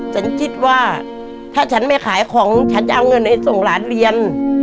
ฉันคิดว่าถ้าฉันไม่ขายของฉันจะเอาเงินให้ส่งหลานเรียน